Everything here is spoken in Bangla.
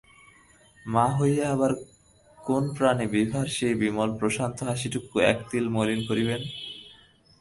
মা হইয়া আবার কোন প্রাণে বিভার সেই বিমল প্রশান্ত হাসিটুকু একতিল মলিন করিবেন!